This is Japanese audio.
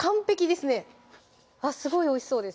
すごいおいしそうです